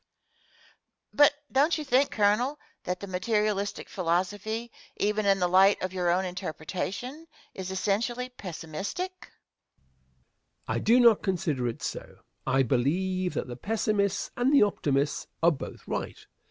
Question. But don't you think, Colonel, that the materialistic philosophy, even in the light of your own interpretation, is essentially pessimistic? Answer. I do not consider it so. I believe that the pessimists and the optimists are both right.